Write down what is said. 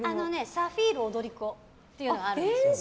「サフィール踊り子」っていうのがあるんですよ。